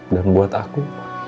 dan buat aku